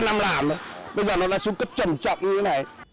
năm năm làm rồi bây giờ nó lại xuống cấp trầm trọng như thế này